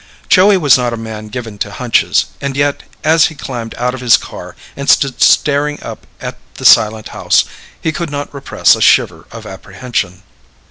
Joey was not a man given to hunches, and yet, as he climbed out of his car and stood staring up at the silent house, he could not repress a shiver of apprehension.